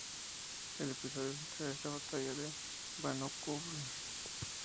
El episodio central es la Batalla de Bannockburn.